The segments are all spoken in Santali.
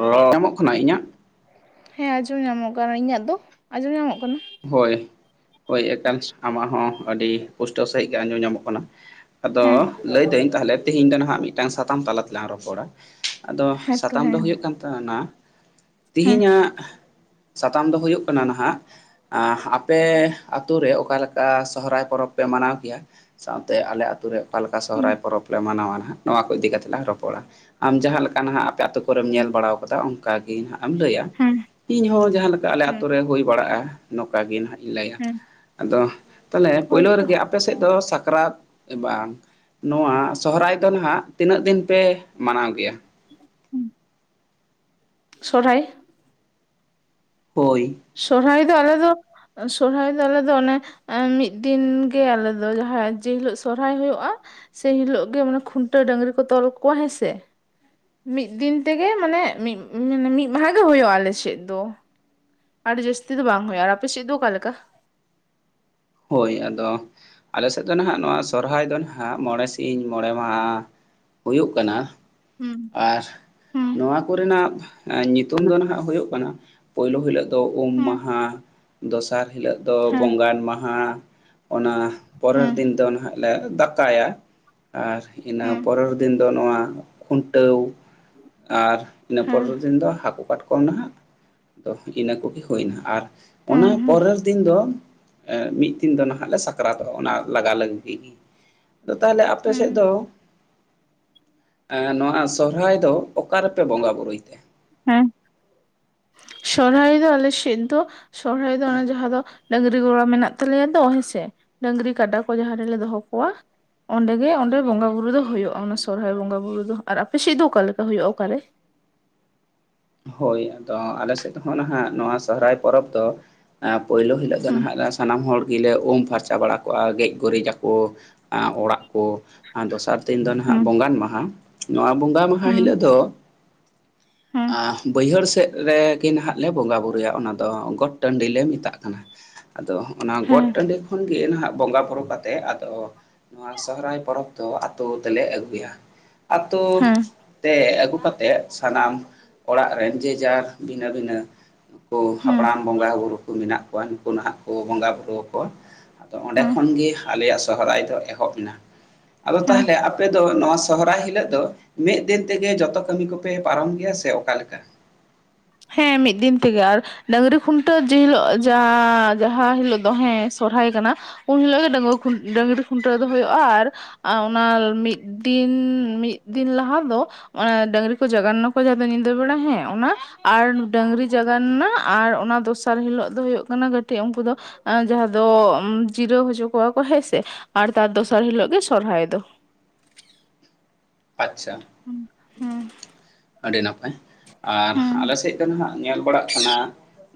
ᱨᱚᱲ ᱧᱟᱢᱚᱜ ᱠᱟᱱᱟ ᱤᱧᱟᱹᱜ? ᱦᱮᱸ ᱟᱸᱡᱚᱢ ᱧᱟᱢᱚᱜ ᱠᱟᱱᱟ᱾ ᱤᱧᱟᱹᱜ ᱫᱚ ᱟᱸᱡᱚᱢ ᱧᱟᱢᱚᱜ ᱠᱟᱱᱟ? ᱦᱳᱭ, ᱦᱳᱭ ᱮᱠᱟᱞ ᱟᱢᱟᱜ ᱦᱚᱸ ᱟᱹᱰᱤ ᱯᱩᱥᱴᱟᱹᱣ ᱥᱟᱺᱦᱤᱡ ᱜᱮ ᱟᱸᱡᱚᱢ ᱧᱟᱢᱚᱜ ᱠᱟᱱᱟ᱾ ᱟᱫᱚ ᱦᱮᱸ ᱞᱟᱹᱭᱫᱟᱹᱧ ᱛᱟᱦᱚᱞᱮ, ᱛᱮᱦᱤᱧ ᱫᱚ, ᱱᱟᱦᱟᱜ ᱢᱤᱫᱴᱟᱝ ᱥᱟᱛᱟᱢ ᱛᱟᱞᱟ ᱛᱮᱞᱟᱝ ᱨᱚᱯᱚᱲᱟ᱾ ᱟᱫᱚ ᱦᱮᱸᱛᱚ ᱥᱟᱛᱟᱢ ᱫᱚ ᱦᱮᱸ ᱦᱩᱭᱩᱜ ᱠᱟᱱ ᱛᱟᱵᱚᱱᱟ᱾ ᱦᱮᱸ ᱛᱤᱦᱤᱧᱟᱜ ᱥᱟᱛᱟᱢ ᱫᱚ ᱦᱩᱭᱩᱜ ᱠᱟᱱᱟ ᱱᱟᱦᱟᱜ ᱟᱸ ᱟᱯᱮ ᱟᱛᱩᱨ ᱨᱮ, ᱚᱠᱟᱮᱠᱟ ᱥᱚᱦᱨᱟᱭ ᱯᱚᱨᱚᱵᱽ ᱯᱮ ᱢᱟᱱᱟᱣ ᱠᱮᱭᱟ? ᱥᱟᱶᱛᱮ ᱟᱞᱮ ᱟᱛᱩᱨ ᱨᱮ᱾ ᱚᱠᱟᱮᱠᱟ ᱥᱚᱦᱨᱟᱭ ᱯᱚᱨᱚᱵᱽ ᱞᱮ ᱢᱟᱱᱟᱣᱟ᱾ ᱱᱟᱦᱜ ᱱᱚᱣᱟ ᱠᱚ ᱤᱫᱤ ᱠᱟ ᱠᱟᱛᱮᱜ ᱞᱟᱝ ᱨᱚᱯᱚᱲᱟ᱾ ᱟᱢ ᱡᱟᱦᱟᱸ ᱞᱮᱠᱟ ᱱᱟᱦᱟᱜ ᱟᱛᱩ ᱠᱚᱨᱮᱢ ᱧᱮᱞ ᱵᱟᱲᱟ ᱟᱠᱟᱫᱟ ᱚᱱᱠᱟ ᱜᱮ ᱦᱟᱜ ᱮᱢ ᱞᱟᱹᱭᱟ᱾ ᱦᱮᱸ ᱤᱧ ᱦᱚᱸ ᱡᱟᱦᱟᱸᱞᱮᱠᱟ ᱟᱞᱮ ᱦᱮᱸ ᱟᱛᱳ ᱨᱮ ᱦᱩᱭ ᱵᱟᱲᱟᱜᱼᱟ᱾ ᱱᱚᱝᱠᱟ ᱜᱮ ᱱᱟᱦᱟᱜ ᱤᱧ ᱞᱟᱹᱭᱟ᱾ ᱦᱮᱸ ᱟᱫᱚ ᱛᱟᱦᱚᱞᱮ ᱯᱳᱭᱞᱳ ᱦᱳᱭᱛᱚ ᱨᱮᱜᱮ ᱟᱯᱮ ᱥᱮᱫ ᱫᱚ ᱥᱟᱠᱨᱟᱛ ᱵᱟᱝ? ᱱᱚᱣᱟ ᱥᱚᱦᱨᱟᱭ ᱫᱚ, ᱱᱟᱦᱟᱜ ᱛᱤᱱᱟᱹᱜ ᱫᱤᱱ ᱯᱮ ᱢᱟᱱᱟᱣ ᱜᱮᱭᱟ? ᱦᱩᱸ [unintelligible] ᱥᱚᱨᱦᱟᱭ᱾ ᱦᱳᱭ, ᱥᱚᱨᱦᱟᱭ ᱫᱚ ᱟᱞᱮ ᱫᱚ, ᱥᱚᱨᱦᱟᱭ ᱫᱚ ᱟᱞᱮ ᱫᱚ ᱚᱱᱮ ᱢᱤᱫ ᱫᱤᱱᱜᱮ ᱟᱞᱮ ᱫᱚ᱾ ᱡᱟᱦᱟᱸ ᱡᱮᱦᱤᱞᱳᱜ ᱥᱚᱨᱦᱟᱭ ᱦᱩᱭᱩᱜᱼᱟ᱾ ᱥᱮᱭ ᱦᱤᱞᱳᱜ ᱜᱮ, ᱢᱟᱱᱮ ᱠᱷᱩᱱᱴᱟᱹᱣ ᱰᱟᱹᱝᱨᱤ ᱠᱚ ᱛᱚᱞ ᱠᱚᱣᱟ ᱦᱮᱸᱥᱮ᱾ ᱢᱤᱫ ᱫᱤᱱ ᱛᱮᱜᱮ, ᱢᱟᱱᱮ ᱢᱤᱫ ᱢᱟᱱᱮ ᱢᱤᱫ ᱢᱟᱦᱟ ᱜᱮ ᱦᱩᱭᱩᱜᱼᱟ ᱟᱞᱮᱥᱮᱫ ᱫᱚ᱾ ᱟᱹᱰᱤ ᱡᱟᱹᱥᱛᱤ ᱫᱚ ᱵᱟᱝ ᱦᱩᱭᱩᱜᱼᱟ᱾ ᱟᱨ ᱟᱯᱮ ᱪᱮᱫ ᱫᱚ ᱚᱠᱟᱠᱟ? ᱦᱳᱭ, ᱟᱫᱚ ᱟᱞᱮ ᱥᱮᱫ ᱫᱚ ᱱᱟᱦᱟᱜ ᱱᱚᱣᱟ ᱥᱚᱨᱚᱦᱦᱟᱭ ᱫᱚ ᱱᱟᱦᱟᱸᱜ ᱢᱚᱬᱮ ᱥᱤᱧ, ᱢᱚᱬᱮ ᱢᱟᱦᱟ᱾ ᱦᱩᱭᱩᱜ ᱠᱟᱱᱟ᱾ ᱦᱩᱸ, ᱟᱨ, ᱦᱩᱸ ᱱᱚᱣᱟ ᱠᱚᱨᱮᱱᱟᱜ, ᱧᱩᱛᱩᱢ ᱫᱚ ᱱᱟᱦᱟᱜ ᱦᱩᱭᱩᱜ ᱠᱟᱱᱟ ᱯᱳᱭᱞᱳ ᱦᱤᱞᱟᱹᱜ ᱫᱚ ᱩᱢ ᱦᱩᱸ ᱢᱟᱦᱟ ᱾ᱫᱚᱥᱟᱨ ᱦᱤᱞᱳᱜ ᱫᱚ ᱦᱮᱸ ᱵᱚᱸᱜᱟᱱ ᱢᱟᱦᱟ᱾ ᱚᱱᱟ ᱯᱚᱨᱮᱨ ᱦᱮᱸ ᱫᱤᱱ ᱫᱚ ᱱᱟᱦᱟᱜ ᱞᱮ ᱫᱟᱠᱟᱭᱟ᱾ ᱟᱨ ᱤᱱᱟᱹ ᱦᱮᱸ ᱯᱚᱨᱮᱨ ᱫᱤᱱ ᱫᱚ ᱱᱚᱣᱟ ᱠᱷᱩᱱᱴᱟᱹᱣ᱾ ᱟᱨ ᱤᱱᱟᱹ ᱦᱮᱸ ᱯᱚᱨᱮᱨ ᱫᱤᱱ ᱫᱚ ᱦᱟᱹᱠᱩ ᱠᱟᱴᱠᱣᱟᱢ᱾ ᱱᱟᱦᱟᱜ ᱟ ᱤᱱᱟᱹ ᱠᱚᱜᱮ ᱦᱩᱭᱱᱟ᱾ ᱟᱨ ᱚᱱᱟ ᱦᱮᱸ ᱯᱚᱨᱮᱨ ᱫᱤᱱ ᱫᱚ ᱢᱤᱫ ᱫᱤᱱ ᱫᱚ ᱱᱟᱦᱟᱜ ᱞᱮ ᱥᱟᱠᱨᱟᱛᱚᱜᱼᱟ᱾ ᱚᱱᱟ ᱞᱟᱜᱟ ᱞᱟᱹᱜᱤᱫ ᱜᱮ᱾ ᱟᱫᱚ ᱛᱟᱦᱞᱮ, ᱟᱯᱮ ᱥᱮᱫ ᱦᱮᱸ ᱫᱚ? ᱱᱚᱣᱟ ᱥᱚᱦᱨᱟᱭ ᱫᱚ, ᱚᱠᱟ ᱨᱮᱯᱮ ᱵᱚᱸᱜᱟ ᱵᱩᱨᱩᱭ ᱛᱮ? ᱦᱮᱸ, ᱥᱚᱨᱦᱟᱭ ᱫᱚ ᱟᱞᱮ ᱥᱮᱫ ᱫᱚ ᱥᱚᱨᱦᱟᱭ ᱫᱚ ᱚᱱᱮ ᱡᱟᱦᱟᱸ ᱫᱚ ᱰᱟᱹᱝᱨᱤ ᱜᱚᱲᱟ ᱢᱮᱱᱟᱜ ᱛᱟᱞᱮᱭᱟ ᱫᱚ ᱦᱮᱸ ᱥᱮ, ᱰᱟᱹᱝᱨᱤ ᱠᱟᱰᱟ ᱠᱚ ᱡᱟᱦᱟᱸ ᱨᱮᱞᱮ ᱫᱚᱦᱚ ᱠᱚᱣᱟ᱾ ᱚᱸᱰᱮᱜ ᱚᱸᱰᱮ ᱵᱚᱸᱜᱟ ᱵᱩᱨᱩ ᱫᱚ ᱦᱩᱭᱩᱜᱼᱟ᱾ ᱚᱱᱟ ᱥᱚᱨᱦᱟᱭ ᱵᱚᱸᱜᱟ ᱵᱩᱨᱩ ᱫᱚ ᱾ᱟᱨ ᱟᱯᱮ ᱥᱮᱫ ᱫᱚ ᱚᱠᱟᱮᱠᱟ ᱦᱩᱭᱩᱜᱼᱟ? ᱚᱠᱟᱨᱮ? ᱦᱳᱭ, ᱟᱫᱚ ᱟᱞᱮ ᱥᱮᱫ, ᱦᱚᱸ ᱱᱟᱦᱟᱜ ᱱᱚᱣᱟ ᱥᱚᱦᱨᱟᱭ ᱯᱚᱨᱚᱵᱽ ᱫᱚ ᱯᱩᱭᱞᱳ ᱦᱤᱞᱳᱜ ᱫᱚ ᱦᱩᱸ ᱱᱟᱦᱟᱜ ᱫᱚ ᱥᱟᱱᱟᱢ ᱦᱚᱲ ᱜᱮᱞᱮ ᱩᱢ ᱯᱷᱟᱨᱪᱟ ᱵᱟᱲᱟ ᱠᱚᱜᱼᱟ ᱜᱮᱡ ᱜᱩᱨᱤᱡᱟᱠᱚ᱾ ᱚᱲᱟᱜ ᱠᱚ᱾ ᱟᱨ ᱫᱚᱥᱟᱨ ᱫᱤᱱ ᱫᱚ ᱱᱟᱦᱜ ᱦᱩᱸ ᱵᱚᱸᱜᱟᱱ ᱢᱟᱦᱟ᱾ ᱱᱚᱣᱟ ᱵᱚᱸᱜᱟ ᱢᱟᱦᱟ ᱦᱩᱸ ᱦᱤᱞᱳᱜ ᱫᱚ ᱦᱩᱸ ᱵᱟᱹᱭᱦᱟᱹᱲ ᱥᱮᱫ ᱨᱮᱜᱮ ᱱᱟᱦᱟᱜ ᱞᱮ ᱵᱚᱸᱜᱟ ᱵᱳᱩᱨᱩᱭᱟ ᱚᱱᱟᱫᱚ ᱜᱚᱴ ᱴᱟᱺᱰᱤ ᱞᱮ ᱢᱮᱛᱟᱜ ᱠᱟᱱᱟ᱾ ᱟᱫᱚ ᱚᱱᱟ ᱜᱚᱴ ᱦᱮᱸ ᱴᱟᱺᱰᱤ ᱠᱷᱚᱱ ᱜᱮ ᱦᱟᱜ ᱵᱚᱸᱜᱟ ᱵᱩᱨᱩ᱾ ᱠᱟᱛᱮ ᱛᱮ ᱟᱫᱚ ᱱᱚᱣᱟ ᱥᱚᱦᱨᱟᱭ ᱯᱚᱨᱚᱵᱽ ᱫᱚ ᱟᱛᱳ ᱛᱮᱞᱮ ᱟᱹᱜᱩᱭᱟ᱾ ᱟᱛᱳ ᱦᱮᱸ ᱛᱮ ᱟᱹᱜᱩ ᱠᱟᱛᱮ ᱥᱟᱱᱟᱢ ᱚᱲᱟᱜ ᱨᱮᱱ ᱡᱮᱡᱟᱨ ᱵᱷᱤᱱᱟᱹ ᱵᱷᱤᱱᱟᱹ ᱱᱠᱩ ᱦᱮᱸ ᱦᱟᱯᱲᱟᱢ ᱵᱚᱸᱜᱟ ᱵᱩᱨᱳ ᱠᱚ ᱢᱮᱱᱟᱜ ᱩᱱᱠᱩ ᱱᱟᱦᱟᱜ ᱠᱚ ᱵᱚᱸᱜᱟ ᱵᱩᱨᱩ ᱟᱠᱚᱣᱟ ᱟᱫᱚ ᱚᱸᱰᱮ ᱦᱮᱸ ᱠᱷᱚᱱ ᱜᱮ ᱟᱞᱮᱭᱟᱜ ᱥᱚᱦᱨᱟᱭ ᱫᱚ ᱮᱦᱚᱵ, ᱟᱫᱚ ᱦᱮᱸ ᱛᱟᱦᱚᱞᱮ ᱟᱯᱮ ᱫᱚ ᱱᱚᱣᱟ ᱥᱟ ᱥᱚᱦᱨᱟᱭ ᱦᱤᱞᱳᱜ ᱫᱚ ᱢᱤᱫ ᱫᱤᱱ ᱛᱮᱜᱮ ᱡᱚᱛᱚ ᱠᱟᱹᱢᱤ ᱠᱚᱯᱮ ᱯᱟᱨᱚᱢ ᱜᱮᱭᱟ ᱥᱮ ᱚᱠᱟᱞᱮᱠᱟ ᱦᱮᱸ ᱢᱤᱫ ᱫᱤᱱ ᱛᱮᱜᱮ ᱟᱨ ᱰᱟᱹᱝᱨᱤ ᱠᱷᱩᱱᱴᱟᱹᱣ ᱡᱮ ᱦᱤᱞᱳᱜ ᱡᱟᱦᱟᱸ ᱡᱟᱸᱦᱟ ᱦᱤᱞᱳᱜ ᱫᱚ ᱦᱮ ᱥᱚᱨᱦᱟᱭ ᱠᱟᱱᱟ ᱩᱱ ᱦᱤᱞᱳᱜ ᱜᱮ ᱰᱟᱜᱩᱣᱟ. ᱰᱟᱝᱨᱤ ᱠᱷᱩᱱᱴᱟᱹᱣ ᱫᱚ ᱦᱩᱭᱩᱜᱼᱟ ᱟᱨ ᱟ ᱚᱱᱟ ᱢᱤᱫ ᱫᱤᱱ ᱢᱤᱫ ᱫᱤᱱ ᱞᱟᱦᱟ ᱫᱚ ᱚᱱᱟ ᱰᱟᱹᱟᱝᱨᱤ ᱠᱚ ᱡᱟᱜᱟᱣ ᱮᱱᱟᱠᱚ ᱡᱟᱦᱟᱸ ᱫᱚ ᱧᱤᱫᱟᱹ ᱵᱮᱲᱟ ᱦᱮᱸ ᱚᱱᱟ ᱟᱨ ᱰᱝᱨᱤ ᱡᱟᱭᱟᱣᱱᱟ ᱟᱨ ᱚᱱᱟ ᱫᱚᱥᱟᱨ ᱦᱤᱞᱳᱜ ᱫᱚ ᱦᱩᱭᱩᱜ ᱠᱟᱱᱟ ᱠᱟᱹᱴᱤᱡ ᱩᱱᱠᱩ ᱫᱚ ᱡᱟᱦᱟᱸ ᱫᱚ ᱡᱤᱨᱟᱹᱣ ᱦᱚᱪᱚ ᱠᱚᱣᱟ ᱠᱚ ᱦᱮᱸᱥᱮ ᱟᱨ ᱛᱟᱨ ᱫᱚᱥᱟᱨ ᱦᱤᱞᱳᱜ ᱜᱮ ᱥᱚᱨᱦᱟᱭ ᱫᱚ ᱟᱪᱪᱷᱟ ᱦᱩ ᱦᱩᱸ ᱟᱹᱰᱤ ᱱᱟᱯᱟᱭ ᱟᱨ ᱟᱞᱮ ᱥᱮᱫ ᱫᱚ ᱱᱟᱦᱟᱜ ᱧᱮᱞ ᱵᱟᱲᱟᱜ ᱠᱟᱱᱟ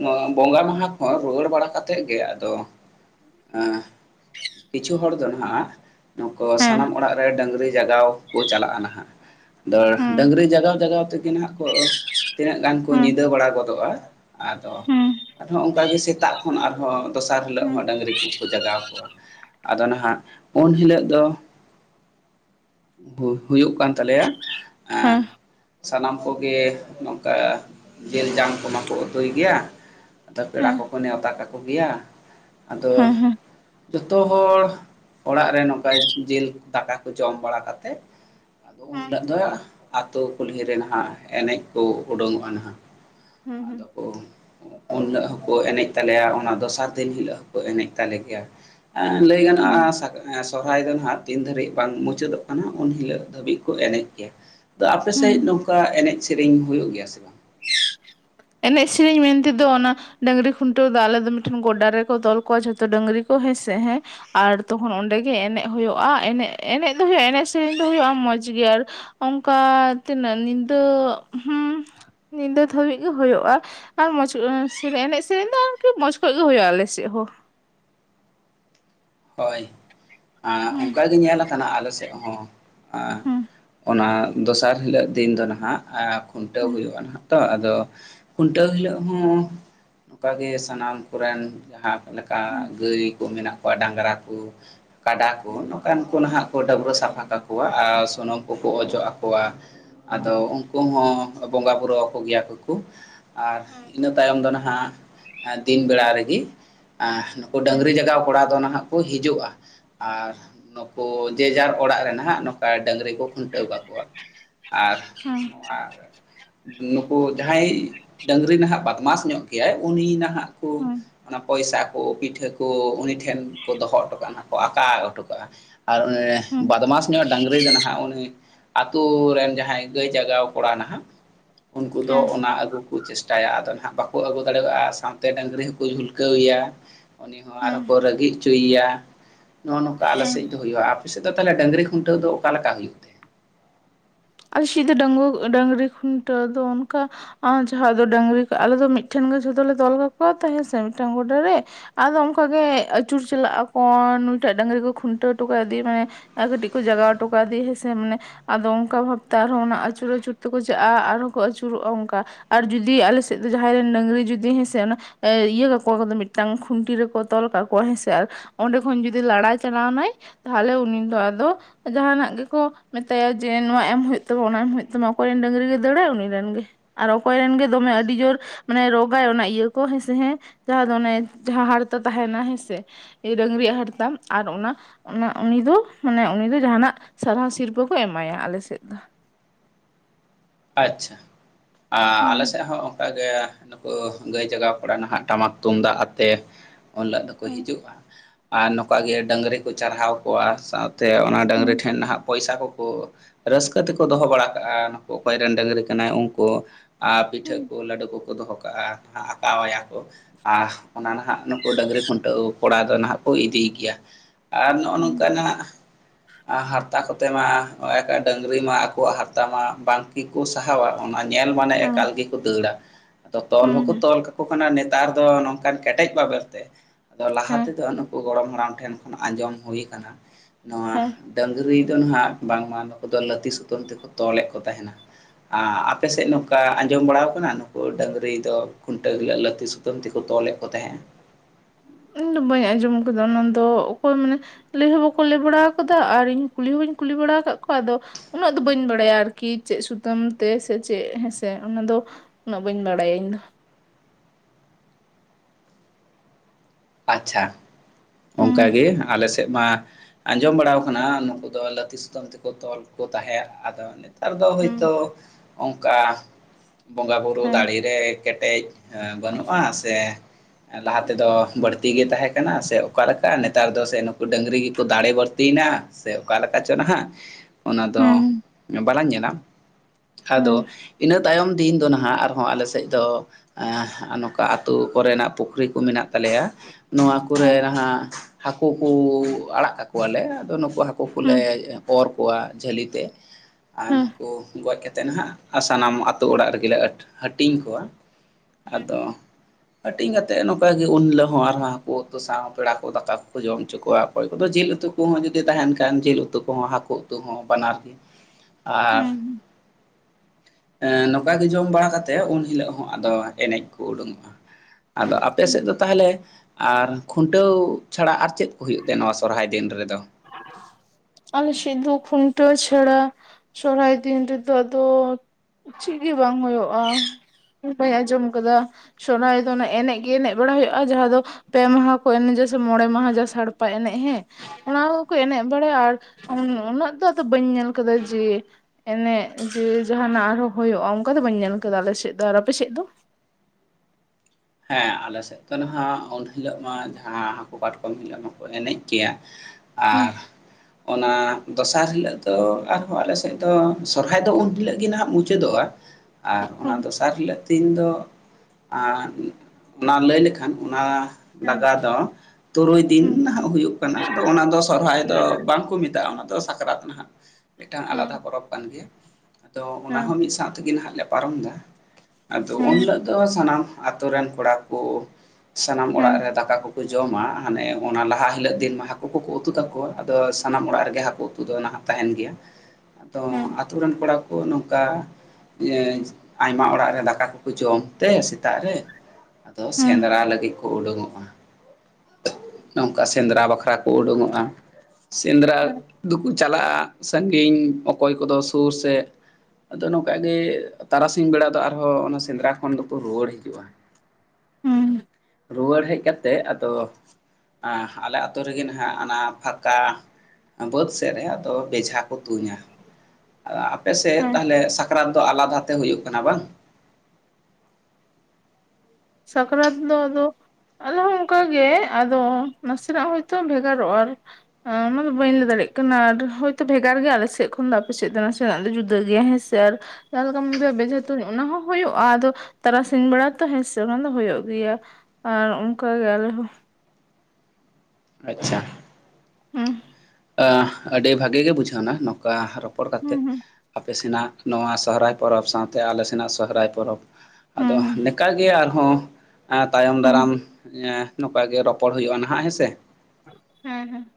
ᱱᱚᱣᱟ ᱵᱚᱸᱜᱟ ᱢᱟᱦᱟ ᱠᱷᱚᱱ ᱨᱩᱣᱟᱹᱲ ᱵᱟᱲᱟ ᱠᱟᱛᱮᱜ ᱜᱮ ᱟᱫᱚ ᱮᱸ ᱠᱤᱪᱷᱩ ᱦᱚᱲ ᱫᱚ ᱱᱟᱦᱟᱜ᱾ ᱱᱩᱠᱩ ᱦᱮᱸ ᱥᱟᱱᱟᱢ ᱚᱲᱟᱜ ᱨᱮ ᱰᱟᱹᱝᱨᱤ ᱡᱟᱜᱟᱣ ᱠᱚ ᱪᱟᱞᱟᱜᱼᱟ ᱱᱟᱦᱟᱜ ᱟᱫᱚ ᱦᱮᱸ ᱰᱟᱹᱝᱨᱤ ᱡᱟᱜᱟᱣ ᱞᱟᱜᱟᱣ ᱛᱮᱜᱮ ᱱᱟᱸᱦᱟᱜ ᱠᱚ ᱛᱤᱱᱟᱹᱜ ᱜᱟᱱ ᱠᱚ ᱦᱮᱸ ᱧᱤᱫᱟᱹ ᱵᱟᱲᱟ ᱜᱚᱫᱚᱜᱼᱟ ᱟᱫᱚ ᱦᱮᱸ ᱟᱨᱦᱚᱸ ᱚᱱᱠᱟᱟᱜ ᱜᱮ ᱥᱮᱛᱟᱜ ᱠᱷᱚᱱ ᱟᱨᱦᱚᱸ ᱫᱚᱥᱟᱨ ᱦᱤᱞᱳᱜ ᱦᱚᱸ ᱰᱟᱹᱝᱨᱤ ᱠᱚᱠᱚ ᱡᱟᱜᱟᱣ ᱠᱚᱣᱟ ᱟᱫᱚ ᱱᱟᱦᱟᱜ ᱩᱱ ᱦᱤᱞᱳᱜ ᱫᱚ ᱦᱩ ᱦᱩᱭᱩᱜ ᱠᱟᱱ ᱛᱟᱞᱮᱭᱟ ᱮᱸ ᱦᱮᱸ ᱥᱟᱱᱟᱢ ᱠᱚᱜᱮ ᱱᱚᱝᱠᱟ ᱡᱮᱞ ᱡᱟᱝ ᱠᱚᱢᱟᱠᱚ ᱩᱛᱩᱭ ᱜᱮᱭᱟ, ᱟᱫᱚ ᱯᱮᱲᱟ ᱦᱮᱸ ᱠᱚᱠᱚ ᱱᱮᱣᱛᱟ ᱠᱟᱠᱚ ᱜᱮᱭᱟ ᱟᱫᱚ ᱦᱮᱸ ᱡᱚᱛᱚ ᱦᱚᱲ ᱚᱲᱟᱜ ᱨᱮ ᱱᱚᱝᱠᱟ ᱡᱮᱞ ᱫᱟᱠᱟ ᱠᱚ ᱡᱚᱢ ᱵᱟᱲᱟ ᱠᱟᱛᱮ ᱦᱮᱸ [unintelligible] ᱟᱛᱳ ᱠᱩᱞᱦᱤᱨᱮ ᱱᱟᱦᱟᱜ ᱮᱱᱮᱡ ᱠᱚ ᱩᱰᱩᱠᱚᱜᱼᱟ ᱱᱟᱦᱟᱜ ᱦᱩᱸ ᱦᱩᱸ [inaudible] ᱩᱱ ᱦᱤᱞᱳᱜ ᱦᱚᱸᱠᱚ ᱮᱱᱮᱡ ᱛᱟᱞᱮᱭᱟ ᱚᱱᱟ ᱫᱚᱥᱟᱨ ᱫᱤᱱ ᱦᱤᱞᱳᱜ ᱦᱚᱸᱠᱚ ᱮᱱᱮᱡ ᱛᱟᱞᱮ ᱜᱮᱭᱟ ᱦ ᱞᱟᱹᱭ ᱦᱮᱸ ᱜᱟᱱᱚᱜᱼᱟ ᱥᱟ᱾ ᱥᱚᱨᱦᱟᱭ ᱫᱚ ᱱᱷᱟᱜ ᱛᱤᱱ ᱫᱷᱵᱤᱡ ᱵᱟᱝ ᱢᱩᱪᱟᱹᱫᱚᱜ ᱠᱟᱱᱟ ᱩᱱ ᱦᱤᱞᱳᱜ ᱫᱷᱟᱹᱵᱤᱡ ᱠᱚ ᱮᱱᱮᱡ ᱜᱮᱭᱟ, ᱦᱮᱸ ᱟᱯᱮᱥᱮᱫ ᱱᱚᱝᱠᱟ ᱮᱱᱮᱡ ᱥᱮᱨᱮᱧ ᱦᱩᱭᱩᱜ ᱜᱮᱭᱟ ᱥᱮ ᱵᱟᱝ? ‌ ᱮᱱᱮᱡ ᱥᱮᱨᱮᱧ ᱢᱮᱱᱛᱮᱫᱚ ᱚᱱᱟ ᱰᱟᱹᱝᱨᱤ ᱠᱷᱩᱱᱴᱟᱹᱣ ᱫᱚ ᱟᱞᱮ ᱫᱚ ᱢᱤᱫᱴᱮᱱ ᱜᱚᱰᱟ ᱨᱮᱠᱚ ᱛᱚᱞ ᱠᱚᱣᱟ ᱡᱷᱚᱛᱚ ᱰᱟᱹᱝᱨᱤ ᱠᱚ ᱦᱮᱸᱥᱮ ᱦᱮᱸ ᱟᱨ ᱛᱚᱠᱷᱚᱱ ᱚᱸᱰᱮᱜᱮ ᱮᱱᱮᱡ ᱦᱩᱭᱩᱜᱼᱟ ᱮᱱᱮᱡ ᱮᱱᱮᱡ ᱫᱚ ᱦᱩᱭᱩᱜᱼᱟ ᱮᱱᱮᱡ ᱥᱮᱨᱮᱧ ᱫᱚ ᱦᱩᱭᱩᱜᱼᱟ ᱢᱚᱡᱽ ᱜᱮ ᱚᱱᱠᱟ ᱛᱤᱱᱟᱹᱜ ᱱᱤᱫᱟ. ᱦᱩᱸ ᱛᱷᱟ. ᱨᱤᱡ ᱜᱮ ᱦᱳᱭᱳᱜ ᱟᱨ ᱢᱚᱪ ᱮᱱᱮᱡ ᱥᱮᱨᱮᱧ ᱫᱚ ᱢᱚᱡᱠᱚᱡ ᱜᱮ ᱦᱩᱭᱩᱜᱼᱟ ᱟᱞᱮᱥᱮᱫ ᱦᱚᱸ, ᱦᱳᱭ ᱚᱱᱠᱟᱜ ᱜᱮ ᱧᱮᱞ ᱠᱟᱱᱟ ᱟᱞᱮ ᱥᱮᱫ ᱦᱚᱸ ᱮ ᱦᱩᱸ ᱚᱱᱟ ᱫᱚᱥᱟᱨ ᱦᱤᱞᱳᱜ ᱫᱤᱱ ᱫᱚ ᱱᱟᱦᱟᱜ ᱮ ᱠᱷᱩᱱᱴᱟᱹᱣ ᱦᱩᱸ ᱦᱩᱭᱩᱜᱼᱟ ᱱᱟᱦᱟᱜ ᱛᱚ ᱟᱫᱚ ᱠᱷᱩᱱᱴᱟᱹᱣ ᱦᱤᱞᱳᱜ ᱦᱚᱸ ᱚᱱᱠᱟ ᱜᱮ ᱥᱟᱱᱟᱢ ᱠᱚᱨᱮᱱ ᱡᱟᱸᱦᱟ ᱞᱮᱠᱟ ᱦᱩᱸ ᱜᱟᱹᱭ ᱠᱚ ᱢᱮᱱᱟᱜ ᱠᱚᱣᱟ ᱰᱟᱝᱨᱟ ᱠᱚ ᱠᱟᱰᱟ ᱠᱚ ᱱᱚᱝᱠᱟᱱ ᱠᱚ ᱱᱟᱦᱟᱜ ᱠᱚ ᱰᱟᱹᱵᱽᱨᱟᱹ ᱥᱟᱯᱷᱟ ᱠᱟᱠᱚᱣᱟ ᱟᱨ ᱥᱩᱱᱩᱢ ᱠᱚ ᱠᱚ ᱚᱡᱚᱜ ᱟᱠᱚᱣᱟ ᱾ ᱟᱫᱚ ᱩᱱᱠᱩ ᱦᱚᱸ ᱵᱚᱸᱜᱟ ᱵᱩᱨᱩ ᱟᱠᱚ ᱜᱮᱭᱟ ᱠᱚᱠᱚ ᱟᱨ ᱦᱩᱸ ᱤᱱᱟᱹ ᱛᱟᱭᱚᱢ ᱫᱚ ᱱᱟᱦᱟᱜ ᱫᱤᱱ ᱵᱮᱲᱟ ᱨᱮᱜᱮ, ᱮᱦ ᱰᱟᱹᱝᱨᱤ ᱡᱟᱭᱟᱣ ᱠᱚᱲᱟ ᱫᱚ ᱱᱟᱦᱟᱜ ᱠᱚ ᱦᱤᱡᱩᱜᱼᱟ ᱟᱨ ᱱᱩᱠᱩ ᱡᱮ ᱡᱟᱡᱟᱨ ᱚᱲᱟᱜ ᱨᱮ ᱱᱟᱦᱜ ᱱᱚᱝᱠᱟ ᱰᱟᱹᱝᱨᱤ ᱠᱚ ᱠᱷᱩᱱᱴᱟᱹᱣ ᱠᱟᱠᱚᱣᱟ᱾ ᱟᱨ ᱟᱨ ᱱᱩᱠᱩ ᱡᱟᱦᱟᱸᱭ ᱰᱟᱝᱨᱤ ᱱᱟᱦᱟᱜ ᱵᱟᱫᱢᱟᱥ ᱧᱚᱜ ᱠᱮᱭᱟᱭ ᱩᱱᱤ ᱱᱟᱦᱟᱜ ᱠᱩ ᱦᱩᱸ ᱯᱚᱭᱥᱟ ᱠᱚ ᱯᱤᱴᱷᱟᱹ ᱠᱚ ᱩᱱᱤ ᱴᱷᱮᱱ ᱫᱚᱦᱚ ᱦᱚᱴᱚ ᱠᱟᱜ ᱱᱟ ᱠᱚ ᱟᱸᱠᱟ ᱦᱚᱴᱚ ᱠᱟᱜᱼᱟ ᱟᱨ ᱚᱱᱮ ᱦᱮᱸ ᱦᱮᱸ ᱦᱮᱸ ᱵᱟᱫᱢᱟᱥ ᱧᱚᱜ ᱰᱟᱝᱨᱤ ᱫᱚ ᱱᱟᱦᱟᱜ ᱩᱱᱤ ᱟᱛᱩ ᱨᱮᱱ ᱡᱟᱦᱟᱸᱭ ᱜᱟᱹᱭ ᱡᱟᱜᱟᱣ ᱠᱚᱲᱟ ᱱᱟᱦᱟᱜ ᱩᱱᱠᱩ ᱫᱚ ᱦᱮᱸ ᱚᱱᱟ ᱟᱹᱜᱩ ᱠᱚ ᱪᱮᱥ ᱪᱮᱥᱴᱟᱭᱟ ᱟᱫᱚ ᱱᱟᱜ ᱵᱟᱠᱚ ᱟᱹᱜᱩ ᱫᱟᱲᱮᱭᱟᱜᱼᱟ ᱥᱟᱶᱛᱮ ᱰᱟᱹᱝᱨᱤ ᱦᱚᱸᱠᱚ ᱡᱷᱩᱞᱠᱟᱹᱣ ᱮᱭᱟ ᱾ ᱩᱱᱤ ᱦᱚᱸ ᱟᱨ ᱦᱮᱸ ᱦᱚᱸ ᱠᱚ ᱨᱟᱜᱤ ᱪᱚᱭᱭᱟ ᱱᱚᱜᱼᱚ ᱱᱚᱝᱠᱟ ᱦᱮᱸ ᱟᱞᱮᱥᱮᱫ ᱫᱚ ᱦᱩᱭᱩᱜᱼᱟ ᱟᱯᱮ ᱥᱮᱫ ᱫᱚ ᱛᱟᱦᱚᱞᱮ ᱰᱟᱹᱝᱨᱤ ᱠᱷᱩᱱᱴᱟᱹᱣ ᱫᱚ ᱚᱠᱟ ᱞᱮᱠᱟ ᱦᱩᱭᱩᱜ ᱛᱮ? ᱟᱞᱤ ᱥᱮᱫ ᱫᱚ ᱰᱟᱝᱜᱩᱭᱟ ᱰᱟᱝᱨᱤ ᱠᱷᱩᱱᱴᱟᱹᱣ ᱫᱚ ᱚᱱᱠᱟ ᱟᱨ ᱡᱟᱦᱟᱸ ᱫᱚ ᱰᱟᱝᱨᱤ ᱟᱞᱮ ᱫᱚ ᱢᱤᱫᱴᱷᱮᱱ ᱜᱮ ᱡᱚᱛᱚ ᱞᱮ ᱛᱚᱞ ᱠᱟᱠᱚᱣᱟ ᱛᱚ ᱦᱮᱸᱥᱮ ᱢᱤᱫᱴᱟᱝ ᱜᱚᱰᱟ ᱨᱮ ᱟᱫᱚ ᱚᱱᱠᱟ ᱜᱮ ᱟᱹᱪᱩᱨ ᱪᱟᱞᱟᱜ ᱟᱠᱚ ᱱᱩᱭᱴᱟᱜ ᱰᱟᱹᱝᱨᱤ ᱠᱚ ᱠᱷᱩᱱᱴᱟᱹᱣ ᱦᱚᱴᱚ ᱠᱟᱭ ᱫᱤᱭᱮ ᱚᱱᱮ ᱟᱨ ᱠᱟᱹᱴᱤᱡ ᱠᱚ ᱡᱟᱜᱟᱣ ᱦᱚᱴᱚ ᱠᱟᱫᱮᱭᱟ ᱦᱮᱸ ᱥᱮ ᱢᱟᱱᱮ ᱟᱫᱚ ᱚᱱᱠᱟ ᱵᱷᱟᱵ ᱛᱟ ᱟᱨ ᱦᱚᱸ ᱚᱱᱟ ᱟᱹᱪᱩᱨ ᱟᱹᱪᱩᱨ ᱛᱮᱠᱚ ᱪᱟᱜᱼᱟ ᱟᱨ ᱦᱚᱸ ᱠᱚ ᱟᱹᱪᱩᱨᱚᱜᱼᱟ ᱚᱱᱠᱟ ᱾ ᱟᱨ ᱡᱩᱫᱤ ᱟᱞᱮ ᱥᱮᱫ ᱫᱚ ᱡᱟᱦᱟᱸᱭ ᱨᱮᱱ ᱰᱟᱹᱝᱨᱤ ᱡᱩᱫᱤ ᱦᱮᱸᱥᱮ ᱚᱱᱟ ᱤᱭᱟᱹ ᱠᱟᱠᱚᱣᱟ ᱟᱫᱚ ᱢᱤᱫᱴᱟᱝ ᱠᱷᱩᱱᱴᱤ ᱨᱮ ᱠᱚ ᱛᱚᱞ ᱠᱟᱠᱚᱣᱟ ᱦᱮᱸ ᱥᱮ ᱟᱨ ᱚᱸᱰᱮ ᱠᱷᱚᱱ ᱡᱩᱫᱤ ᱞᱟᱲᱟᱭ ᱪᱟᱞᱟᱣᱱᱟᱭ ᱛᱟᱦᱚᱞᱮ ᱩᱱᱤ ᱫᱚ ᱟᱫᱚ ᱡᱟᱦᱟᱱᱟᱜ ᱜᱮ ᱠᱚ ᱢᱮᱛᱟᱭᱟ ᱡᱮ ᱱᱚᱣᱟ ᱮᱢ ᱦᱩᱭᱩᱜ ᱛᱚ ᱚᱱᱟ ᱮᱢ ᱦᱩᱭᱩᱜ ᱛᱟᱢᱟ ᱚᱠᱚᱭ ᱨᱮᱱ ᱰᱟᱹᱝᱨᱤ ᱜᱮᱭ ᱫᱟᱹᱲᱟᱭ ᱩᱱᱤ ᱨᱮᱱ ᱜᱮ ᱟᱨ ᱚᱠᱚᱭ ᱨᱮᱱ ᱜᱮ ᱫᱚᱢᱮ ᱟᱹᱰᱤ ᱡᱳᱨ ᱢᱟᱱᱮ ᱨᱳᱜᱟᱭ ᱚᱱᱟ ᱤᱭᱟᱹ ᱠᱚ ᱦᱮᱸ ᱥᱮ ᱦᱮᱸ ᱡᱟᱦᱟᱸ ᱫᱚ ᱚᱱᱮ ᱡᱟᱦᱟᱸ ᱦᱟᱨᱛᱟ ᱛᱟᱦᱮᱱᱟ ᱦᱮᱸ ᱥᱮ ᱰᱟᱹᱟᱝᱨᱤ ᱦᱟᱨᱛᱟ ᱟᱨ ᱚᱱᱟ ᱚᱱᱟ ᱩᱱᱤ ᱫᱚ ᱢᱟᱱᱮ ᱩᱱᱤ ᱫᱚ ᱡᱟᱦᱟᱱᱟᱜ ᱥᱟᱨᱦᱟᱣ ᱥᱤᱨᱯᱟᱹ ᱠᱚ ᱮᱢᱟᱭᱟ ᱟᱞᱮ ᱥᱮᱫ ᱫᱚ ᱾ ᱟᱪᱪᱷᱟ ᱾ ᱟᱞᱮ ᱦᱮᱸ ᱥᱮᱫ ᱦᱚᱸ ᱚᱱᱠᱟ ᱜᱮ ᱾ ᱩᱱᱠᱩ ᱜᱟᱹᱭ ᱡᱟᱜᱟᱣ ᱠᱚᱲᱟ ᱱᱟᱦᱟᱜ ᱴᱟᱢᱟᱠ ᱛᱩᱢᱫᱟᱜ ᱟᱛᱮᱫ ᱩᱱ ᱦᱤᱞᱳᱜ ᱫᱚ ᱠᱚ ᱦᱮᱸ ᱦᱤᱡᱩᱜᱼᱟ ᱟᱨ ᱱᱚᱝᱠᱟ ᱜᱮ ᱰᱟᱹᱝᱨᱤ ᱠᱚ ᱪᱟᱨᱦᱟᱣ ᱠᱚᱣᱟ ᱥᱟᱶ ᱛᱮ ᱚᱱᱟ ᱰᱟᱹᱟᱝᱨᱤ ᱦᱮᱸ ᱴᱷᱮᱱ ᱱᱟᱦᱟᱜ ᱯᱚᱭᱥᱟ ᱠᱚᱠᱚ ᱨᱟᱹᱥᱠᱟᱹ ᱛᱮᱠᱚ ᱫᱚᱦᱚ ᱵᱟᱲᱟ ᱠᱟᱜᱼᱟ ᱾ ᱚᱠᱚᱭ ᱨᱮᱱ ᱰᱟᱝᱨᱤ ᱠᱟᱱᱟᱭ ᱩᱱᱠᱩ ᱟ ᱯᱤᱴᱷᱟᱹ ᱦᱮᱸ ᱠᱚ ᱞᱟᱹᱰᱩ ᱠᱚᱠᱚ ᱫᱚᱦᱚ ᱠᱟᱜᱼᱟ ᱾ ᱟᱠᱟᱣ ᱟᱭᱟ ᱠᱚ ᱾ ᱟᱨ ᱚᱱᱟ ᱱᱟᱦᱟᱜ ᱱᱩᱠᱩ ᱰᱟᱹᱝᱨᱤ ᱠᱷᱩᱱᱴᱟᱹᱣ ᱠᱚᱲᱟ ᱫᱚ ᱱᱟᱦᱟᱜ ᱠᱚ ᱤᱫᱤᱭ ᱜᱮᱭᱟ ᱾ ᱟᱨ ᱱᱚᱜᱼᱚ ᱦᱮᱸ ᱱᱚᱝᱠᱟᱱᱟᱜ ᱦᱟᱨᱛᱟ ᱠᱚᱛᱮ ᱢᱟ ᱰᱟᱝᱨᱤ ᱢᱟ ᱟᱠᱚᱣᱟᱜ ᱦᱟᱨᱛᱟ ᱢᱟ ᱵᱟᱝᱠᱤ ᱠᱩᱥᱤ ᱥᱟᱦᱟᱣᱟ ᱚᱱᱟ ᱧᱮᱞ ᱢᱟᱱᱮ ᱦᱮᱸ ᱮᱠᱟᱞ ᱜᱮᱠᱚ ᱫᱟᱹᱲᱟ ᱟᱫᱚ ᱛᱚᱞ ᱦᱩᱸ ᱦᱚᱸ ᱠᱚ ᱦᱩᱸ ᱛᱚᱞ ᱠᱟᱠᱚ ᱾ ᱢᱟᱱᱮ ᱱᱮᱛᱟᱨ ᱫᱚ ᱱᱚᱝᱠᱟᱱ ᱠᱮᱴᱮᱡ ᱵᱟᱵᱮᱨ ᱛᱮ ᱟᱫᱚ ᱞᱟᱦᱟ ᱦᱮᱸ ᱛᱮ ᱫᱚ ᱱᱩᱠᱩ ᱜᱚᱲᱚᱢ ᱦᱟᱲᱟᱢ ᱴᱷᱮᱱ ᱠᱷᱚᱱ ᱟᱸᱡᱚᱢ ᱦᱩᱭ ᱟᱠᱟᱱᱟ ᱱᱚᱣᱟ ᱦᱮᱸ ᱰᱟᱝᱨᱤ ᱫᱚ ᱱᱟᱦᱟᱜ ᱵᱟᱝᱢᱟ ᱱᱩᱠᱩ ᱫᱚ ᱞᱟᱹᱛᱤ ᱥᱩᱛᱟᱹᱢ ᱛᱮ ᱠᱚ ᱛᱚᱞ ᱮᱫ ᱠᱚ ᱛᱟᱦᱮᱱᱟ ᱾ ᱦᱟᱸ ᱟᱯᱮ ᱥᱮᱫ ᱱᱚᱝᱠᱟ ᱟᱸᱡᱚᱢ ᱵᱟᱲᱟ ᱟᱠᱟᱱᱟ ᱱᱩᱠᱩ ᱰᱟᱹᱝᱨᱤ ᱫᱚ ᱠᱷᱩᱱᱴᱟᱹᱣ ᱦᱤᱞᱳᱜ ᱞᱟᱹᱛᱤ ᱥᱩᱛ ᱥᱩᱛᱟᱹᱢ ᱛᱮᱠᱚ ᱛᱚᱞᱮᱫ ᱠᱚ ᱛᱟᱦᱮᱸᱜᱼᱟ ᱾ ᱤᱧ ᱫᱚ ᱵᱟᱹᱧ ᱟᱸᱡᱚᱢ ᱟᱠᱟᱫᱟ ᱚᱱᱟᱫᱚ ᱚᱠᱚᱭ ᱢᱟᱱᱮ ᱾ ᱞᱟᱹᱭ ᱦᱚᱸ ᱵᱟᱠᱚ ᱞᱟᱹᱭ ᱵᱟᱲᱟ ᱟᱠᱟᱫᱟ ᱟᱨ ᱤᱧ ᱠᱩᱞᱤ ᱦᱚᱸ ᱵᱟᱹᱧ ᱠᱩᱞᱤ ᱵᱟᱲᱟ ᱟᱠᱟᱫ ᱠᱚᱣᱟ ᱟᱫᱚ ᱩᱱᱟᱹᱜ ᱫᱚ ᱵᱟᱹᱧ ᱵᱟᱲᱟᱭᱟ ᱟᱨᱠᱤ ᱪᱮᱫ ᱥᱩᱛᱟᱹᱢ ᱛᱮ ᱥᱮ ᱪᱮᱫ ᱦᱮᱸ ᱥᱮ ᱚᱱᱟ ᱫᱚ ᱩᱱᱟᱹᱜ ᱵᱟᱹᱧ ᱵᱟᱲᱟᱭᱟ ᱤᱧ ᱫᱚ ᱾ ᱟᱪᱪᱷᱟ ᱾ ᱦᱩᱸ ᱚᱱᱠᱟ ᱜᱮ ᱟᱞᱮ ᱥᱮᱫ ᱢᱟ ᱾ ᱟᱸᱡᱚᱢ ᱵᱟᱲᱟ ᱟᱠᱟᱱᱟ ᱱᱩᱠᱩ ᱫᱚ ᱞᱟᱹᱛᱤ ᱥᱩᱛᱟᱹᱢ ᱛᱮ ᱠᱚ ᱛᱚᱞ ᱠᱚ ᱛᱟᱦᱮᱸᱫ ᱟᱫᱚ ᱱᱮᱛᱟᱨ ᱫᱚ ᱦᱩᱸ ᱦᱳᱭᱛᱳ ᱚᱝᱠᱟ ᱵᱚᱸᱜᱟ ᱵᱩᱨᱩ ᱦᱮᱸ ᱫᱟᱲᱮ ᱨᱮ ᱠᱮᱴᱮᱡ ᱵᱟᱹᱱᱩᱜᱼᱟ ᱥᱮ ᱞᱟᱦᱟ ᱛᱮᱫᱚ ᱵᱟᱹᱲᱛᱤᱜᱮ ᱛᱟᱦᱮᱸ ᱠᱟᱱᱟ ᱥᱮ ᱚᱠᱟᱞᱮᱠᱟ ᱱᱮᱛᱟᱨ ᱫᱚ ᱥᱮ ᱱᱩᱠᱩ ᱰᱟᱹᱝᱨᱤ ᱜᱮᱠᱚ ᱫᱟᱲᱮ ᱵᱟᱹᱲᱛᱤᱭᱮᱱᱟ᱾ ᱥᱮ ᱚᱠᱟ ᱞᱮᱠᱟ ᱪᱚ ᱱᱟᱦᱟᱜ ᱚᱱᱟ ᱫᱚ ᱦᱩᱸ ᱵᱟᱞᱟᱝ ᱧᱮᱞᱟ ᱟᱫᱚ ᱦᱩᱸ ᱤᱱᱟᱹᱜ ᱛᱟᱭᱚᱢ ᱫᱤᱱ ᱫᱚ ᱱᱟᱦᱜ ᱟᱨ ᱦᱚᱸ ᱟᱞᱮ ᱥᱮᱫ ᱫᱚ ᱱᱚᱝᱠᱟ ᱟᱛᱩ ᱠᱚᱨᱮᱱᱟᱜ ᱯᱩᱠᱷᱨᱤ ᱠᱚ ᱢᱮᱱᱟᱜ ᱠᱟᱞᱮᱭᱟ ᱱᱚᱣᱟ ᱠᱚᱨᱮ ᱦᱮᱸ ᱱᱟᱦᱟᱜ ᱦᱟᱹᱠᱩ ᱠᱩ ᱟᱲᱟᱜ ᱠᱟᱠᱚᱣᱟ ᱞᱮ ᱟᱫᱚ ᱱᱩᱠᱩ ᱦᱟᱹ ᱦᱟᱹᱠᱩ ᱦᱩᱸ ᱠᱚᱞᱮ ᱚᱨ ᱠᱚᱣᱟ ᱡᱷᱟᱹᱞᱤ ᱛᱮ ᱟᱨ ᱦᱮᱸ ᱱᱩᱠᱩ ᱜᱚᱡ ᱠᱟᱛᱮᱫ ᱱᱟᱦᱟᱜ ᱟᱨ ᱥᱟᱱᱟᱢ ᱟᱹᱛᱩ ᱚᱲᱟᱜ ᱨᱮ ᱜᱮ ᱟᱴ ᱦᱟᱹᱴᱤᱧ ᱠᱚᱣᱟ ᱟᱫᱚ ᱦᱟᱹᱴᱤᱧ ᱠᱟᱛᱮᱜ ᱱᱚᱝᱠᱟ ᱩᱱ ᱦᱤᱞᱳᱜ ᱦᱚᱸ ᱟᱨᱚᱸ ᱦᱟᱹᱠᱩ ᱩᱛᱩ ᱥᱟᱶ ᱯᱮᱲᱟ ᱠᱚ ᱫᱟᱠᱟ ᱠᱚ ᱡᱚᱢ ᱦᱚᱪᱚ ᱠᱚᱣᱟ ᱚᱠᱚᱭ ᱠᱚᱫᱚ ᱡᱤᱞ ᱩᱛᱩ ᱩᱠᱩ ᱦᱚᱸ ᱡᱩᱫᱤ ᱛᱟᱦᱮᱱ ᱠᱷᱟᱱ ᱡᱤᱞ ᱩᱛᱩ ᱠᱚᱦᱚᱸ ᱦᱟᱹᱠᱩ ᱩᱛᱩ ᱦᱚᱸ ᱵᱟᱱᱟᱨ ᱜᱮ ᱾ ᱟᱨ ᱦᱩᱸ ᱮ ᱱᱚᱝᱠᱟ ᱜᱮ ᱡᱚᱢ ᱵᱟᱲᱟ ᱠᱟᱛᱮᱜ ᱩᱱ ᱦᱤᱞᱳᱜ ᱦᱚᱸ ᱟᱫᱚ ᱮᱱᱮᱡ ᱠᱚ ᱩᱰᱩᱠᱚᱜᱼᱟ᱾ ᱟᱫᱚ ᱟᱯᱮ ᱦᱩᱸ ᱥᱮᱫ ᱫᱚ ᱛᱟᱦᱚᱞᱮ ᱟᱨ ᱠᱷᱩᱱᱴᱟᱹᱣ ᱪᱷᱟᱲᱟ ᱟᱨ ᱪᱮᱫ ᱠᱚ ᱦᱩᱭᱩᱜ ᱛᱮ ᱱᱚᱣᱟ ᱥᱚᱨᱦᱟᱭ ᱫᱤᱱ ᱨᱮᱫᱚ? ᱟᱞᱮ ᱥᱮᱫ ᱫᱚ ᱠᱷᱩᱱᱴᱟᱹᱣ ᱪᱷᱟᱲᱟ ᱥᱚᱨᱦᱟᱭ ᱫᱤᱱ ᱨᱮᱫᱚ ᱟᱫᱚ ᱪᱮᱫᱜᱮ ᱵᱟᱝ ᱦᱳᱭᱳᱜᱼᱟ᱾ ᱱᱟᱯᱟᱭ ᱟᱸᱡᱚᱢ ᱠᱟᱫᱟ ᱥᱚᱨᱟᱭ ᱫᱚ ᱮᱱᱮᱡ ᱜᱮ ᱮᱱᱮᱡ ᱵᱟᱲᱟ ᱦᱩᱭᱩᱜᱼᱟ᱾ ᱡᱟᱦᱟᱸ ᱫᱚ ᱯᱮ ᱢᱟᱦᱟ ᱠᱚ ᱮᱱᱮᱡᱟ ᱥᱮ ᱢᱚᱬᱮ ᱢᱟᱦᱟ ᱡᱟ ᱥᱟᱲᱯᱟ ᱮᱱᱮᱡ ᱦᱮᱸ, ᱚᱱᱟ ᱠᱚ ᱮᱱᱮᱡ ᱵᱟᱲᱟᱭᱟ ᱟᱨ ᱩᱱᱟᱹᱜ ᱫᱚ ᱟᱫᱚ ᱵᱟᱹᱧ ᱧᱮᱞ ᱠᱟᱫᱟ ᱡᱮ᱾ ᱮᱱᱮᱡ ᱡᱮ ᱡᱟᱦᱟᱱᱟᱜ ᱟᱨᱦᱚᱸ ᱦᱩᱭᱩᱜᱼᱟ᱾ ᱚᱱᱠᱟ ᱫᱚ ᱵᱟᱹᱧ ᱧᱮᱞ ᱟᱠᱟᱫᱟ ᱟᱞᱮᱥᱮᱫ ᱫᱚ ᱟᱨ ᱟᱯᱮᱥᱮᱫ ᱫᱚ? ᱦᱮᱸ ᱟᱞᱮᱥᱮᱫ ᱫᱚ ᱱᱟᱦᱟᱜ ᱩᱱ ᱦᱤᱞᱳᱜ ᱢᱟ ᱡᱟᱦᱟᱸ ᱦᱟᱹᱠᱩ ᱠᱟᱴᱠᱚᱢ ᱦᱤᱞᱳᱜ ᱢᱟᱠᱚ ᱮᱱᱮᱡ ᱜᱮᱭᱟ᱾ ᱦᱮᱸ ᱟᱨ ᱚᱱᱟ ᱫᱚᱥᱟᱨ ᱦᱤᱞᱟᱹᱜ ᱫᱚ ᱟᱨᱦᱚᱸ ᱟᱞᱮ ᱥᱮᱫ ᱫᱚ ᱥᱚᱨᱦᱟᱭ ᱫᱚ ᱩᱱ ᱦᱤᱞᱳᱜ ᱤᱭᱟᱹ ᱱᱟᱦᱟᱜ ᱢᱩᱪᱟᱹᱫᱚᱜᱼᱟ ᱟᱨ ᱚᱱᱟ ᱦᱮᱸ ᱫᱚᱥᱟᱨ ᱦᱤᱞᱳᱜ ᱫᱤᱱ ᱫᱚ ᱟᱨ ᱚᱱᱟ ᱞᱟᱹᱭ ᱞᱮᱠᱷᱟᱱ ᱚᱱᱟ ᱞᱟᱜᱟ ᱫᱚ ᱛᱩᱨᱩᱭ ᱦᱮᱸ ᱫᱤᱱ ᱱᱟᱦᱟᱜ ᱦᱩᱭᱩᱜ ᱠᱟᱱ ᱟᱫᱚ ᱚᱱᱟ ᱫᱚ ᱥᱚᱨᱦᱟᱭ ᱫᱚ ᱵᱟᱝᱠᱚ ᱢᱮᱛᱟᱜᱼᱟ ᱚᱱᱟ ᱫᱚ ᱥᱟᱠᱨᱟᱛ ᱱᱟᱦᱟᱜ ᱢᱤᱫᱴᱟᱝ ᱟᱞᱟᱫᱟ ᱯᱚᱨᱚᱵᱽ ᱠᱟᱱ ᱜᱮᱭᱟ᱾ ᱟᱫᱚ ᱚᱱᱟᱦᱚᱸ ᱦᱮᱸ ᱢᱤᱫ ᱥᱟᱶ ᱛᱮᱜᱮ ᱱᱟᱦᱟᱜ ᱞᱮ ᱯᱟᱨᱚᱢ ᱫᱟ᱾ ᱟᱫᱚ ᱦᱮᱸ ᱩᱱᱦᱤᱞᱳᱜ ᱫᱚ ᱥᱟᱱᱟᱢ ᱟᱛᱳ ᱨᱮᱱ ᱠᱚᱲᱟ ᱠᱚ ᱥᱟᱱᱟᱢ ᱚᱲᱟᱜ ᱦᱮᱸ ᱨᱮ ᱫᱟᱠᱟ ᱠᱚᱠᱚ ᱡᱚᱢᱟ᱾ ᱦᱟᱱᱮ ᱚᱱᱟ ᱞᱟᱦᱟ ᱦᱤᱞᱟᱹᱜ ᱫᱤᱱ ᱢᱟ ᱦᱟᱹᱠᱩ ᱠᱚᱠᱚ ᱩᱛᱩ ᱠᱟᱠᱚᱣᱟ᱾ ᱟᱫᱚ ᱥᱟᱱᱟᱢ ᱚᱲᱟᱜ ᱨᱮᱜᱮ ᱦᱟᱹᱠᱩ ᱩᱛᱩ ᱫᱚ ᱱᱟᱦᱟᱜ ᱛᱟᱦᱮᱱ ᱜᱮᱭᱟ᱾ ᱟᱫᱚ ᱦᱮᱸ ᱟᱹᱛᱩ ᱨᱮᱱ ᱠᱚᱲᱟ ᱠᱚ ᱱᱚᱝᱠᱟ [unintelligible] ᱟᱭᱢᱟ ᱚᱲᱟᱜ ᱨᱮ ᱫᱟᱠᱟ ᱠᱚᱠᱚ ᱡᱚᱢ ᱛᱮ ᱥᱮᱛᱟᱜ ᱨᱮ ᱟᱫᱚ ᱦᱩᱸ ᱥᱮᱸᱫᱽᱨᱟ ᱞᱟᱹᱜᱤᱫ ᱠᱚ ᱩᱰᱩᱝᱚᱜᱼᱟ ᱱᱚᱝᱠᱟ ᱥᱮᱸᱫᱽᱨᱟ ᱵᱟᱠᱷᱨᱟ ᱠᱚ ᱩᱰᱩᱝᱚᱜᱼᱟ᱾ ᱥᱮᱸᱫᱽᱨᱟ ᱫᱩᱠᱩ ᱪᱟᱞᱟᱜᱼᱟ ᱥᱟᱺᱜᱤᱧ ᱚᱠᱚᱭ ᱠᱚᱫᱚ ᱥᱩᱨ ᱥᱮᱫ᱾ ᱟᱫᱚ ᱱᱚᱝᱠᱟ ᱜᱮ ᱛᱟᱨᱟᱥᱤᱧ ᱵᱮᱲᱟ ᱫᱚ ᱟᱨᱦᱚᱸ ᱚᱱᱟ ᱥᱮᱸᱫᱽᱨᱟ ᱠᱷᱚᱱ ᱫᱚᱠᱚ ᱨᱩᱣᱟᱹᱲ ᱦᱤᱡᱩᱜᱼᱟ᱾ ᱦᱩᱸ ᱨᱩᱣᱟᱹᱲ ᱦᱮᱡ ᱠᱟᱛᱮᱫ ᱟᱫᱚ ᱟ ᱟᱞᱮ ᱟᱛᱳ ᱨᱮᱜᱮ ᱱᱟᱦᱟᱸᱜ ᱟᱱᱟ ᱯᱷᱟᱸᱠᱟ ᱵᱟᱹᱫᱽ ᱥᱮᱜ ᱨᱮ ᱟᱫᱚ ᱵᱮᱡᱷᱟ ᱠᱚ ᱛᱩᱧᱟ᱾ [unintelligible] ᱯᱮᱥᱮᱡ ᱦᱮᱸ ᱛᱟᱦᱚᱞᱮ ᱥᱟᱠᱨᱟᱛ ᱫᱚ ᱟᱞᱟᱫᱟ ᱛᱮ ᱦᱩᱭᱩᱜ ᱠᱟᱱᱟ ᱵᱟᱝ᱾ ᱥᱟᱠᱨᱟᱛ ᱫᱚ ᱟᱫᱚ ᱟᱞᱮ ᱦᱚᱸᱚᱱᱠᱟᱜᱮ ᱟᱫᱚ ᱱᱟᱥᱮᱱᱟᱜ ᱦᱚᱭᱛᱳ ᱵᱷᱮᱜᱟᱨᱚᱜᱼᱟ᱾ ᱚᱱᱟ ᱫᱚ ᱵᱟᱹᱧ ᱞᱟᱹᱭ ᱫᱟᱲᱮᱜ ᱠᱟᱱᱟ ᱟᱨ ᱦᱳᱭᱛᱳ ᱵᱷᱮᱜᱟᱨ ᱜᱮᱭᱟ ᱟᱞᱮᱥᱮᱫ ᱠᱷᱚᱱ ᱫᱚ ᱟᱯᱮᱥᱮᱫ ᱫᱚ ᱱᱟᱥᱮᱱᱟᱜ ᱫᱚ ᱡᱩᱫᱟᱹ ᱜᱮᱭᱟ ᱦᱮᱸ᱾ [unintelligible] ᱵᱮᱡᱷᱟ ᱛᱩᱧ ᱚᱱᱟ ᱦᱚᱸ ᱦᱩᱭᱩᱜᱼᱟ᱾ ᱟᱫᱚ ᱛᱟᱨᱟᱥᱤᱧ ᱵᱮᱲᱟ ᱛᱚ ᱦᱮᱸᱥᱮ ᱟᱱᱟ ᱫᱚ ᱦᱩᱭᱩᱜ ᱜᱮᱭᱟ ᱟᱨ ᱚᱱᱠᱟ ᱜᱮ ᱟᱞᱮ ᱦᱚᱸ ᱟᱪᱪᱷᱟ, ᱦᱩᱸ, ᱟᱦ ᱟᱹᱰᱤ ᱵᱷᱟᱜᱮ ᱜᱮ ᱵᱩᱡᱷᱟᱹᱣᱱᱟ ᱱᱚᱝᱠᱟ ᱨᱚᱯᱚᱲ ᱠᱟᱛᱮᱫ᱾ ᱦᱩᱸ ᱟᱯᱮ ᱥᱮᱱᱟᱜ ᱱᱚᱣᱟ ᱥᱚᱦᱚᱨᱟᱭ ᱯᱚᱨᱚᱵᱽ ᱥᱟᱶᱛᱮ ᱟᱞᱮ ᱥᱮᱱᱟᱜ ᱥᱚᱦᱚᱨᱟᱭ ᱯᱚᱨᱚᱵᱽ ᱟᱫᱚ ᱦᱩᱸ ᱦᱩᱸ ᱱᱮᱠᱟᱜᱮ ᱟᱨᱦᱚᱸ ᱟ ᱛᱟᱭᱚᱢ ᱦᱩᱸ ᱫᱟᱨᱟᱢ ᱮᱸ ᱱᱚᱝᱠᱟ ᱜᱮ ᱨᱚᱯᱚᱲ ᱦᱩᱭᱩᱜᱼᱟ ᱱᱟᱦᱟᱜ ᱦᱮᱸ ᱥᱮ᱾ ᱦᱮᱸ ᱦᱮᱸ